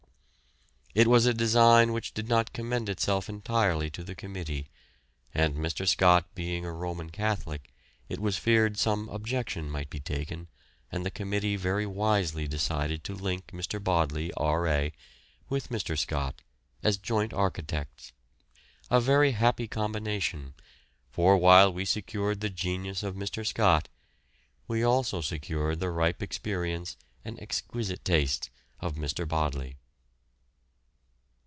It was a design which did not commend itself entirely to the committee, and Mr. Scott being a Roman Catholic it was feared some objection might be taken, and the committee very wisely decided to link Mr. Bodley, R.A., with Mr. Scott as joint architects a very happy combination, for while we secured the genius of Mr. Scott, we also secured the ripe experience and exquisite taste of Mr. Bodley.